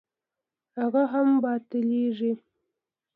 هغه هم باطلېږي.